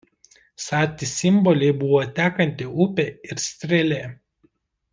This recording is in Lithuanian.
Sati simboliai buvo tekanti upė ir strėlė.